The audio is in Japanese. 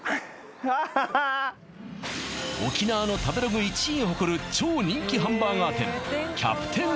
アッハハー沖縄の食べログ１位を誇る超人気ハンバーガー店キャプテン